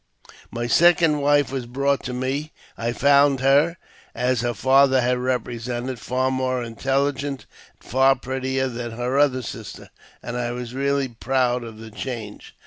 My second wife was brought to me. I found her, as her father had represented, far more intelligent and far prettier than her other sister, and I was really proud of the change.